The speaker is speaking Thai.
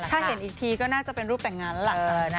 ถ้าเห็นอีกทีก็น่าจะเป็นรูปแต่งงานแล้วล่ะ